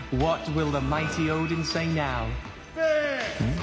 ん？